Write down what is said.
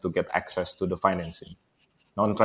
untuk mendapatkan akses ke keuangan